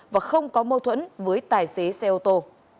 và không có mâu thuẫn với tài xế xe ô tô